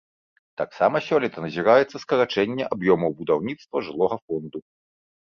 Таксама сёлета назіраецца скарачэнне аб'ёмаў будаўніцтва жылога фонду.